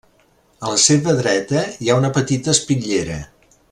A la seva dreta, hi ha una petita espitllera.